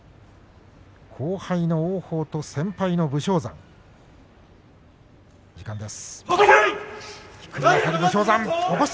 後輩の王鵬と先輩の武将山です。